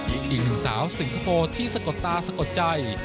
อีกหนึ่งสาวสิงคโปร์ที่สะกดตาสะกดใจ